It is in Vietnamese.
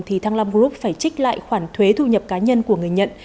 thì thăng long group phải trích lại khoản thuế thu nhập cá nhân của người nhận